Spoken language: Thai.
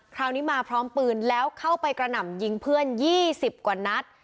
คราวนี้มาพร้อมปืนแล้วเข้าไปกระหน่ำยิงเพื่อน๒๐กว่านัด